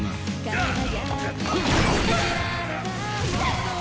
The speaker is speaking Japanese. あっ！